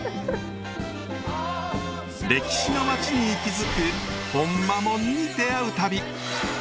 歴史の町に息づく「ほんまもん」に出会う旅始まりです。